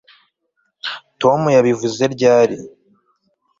tom yabivuze ryari